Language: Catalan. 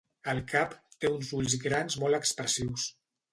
El cap té uns ulls grans molt expressius.